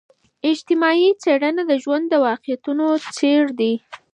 اجتماعي څېړنه د ژوند واقعتونه څیړي.